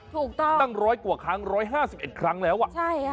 ถูกต้องตั้ง๑๐๐กว่าครั้ง๑๕๑ครั้งแล้วอ่ะคุณผู้ชมใช่ค่ะ